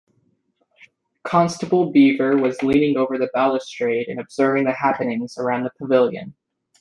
Constable Beaver was leaning over the balustrade and observing the happenings around the pavilion.